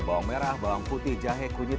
bawang merah bawang putih jahe kunyit